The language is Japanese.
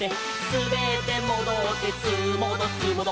「すべってもどってすーもどすーもど」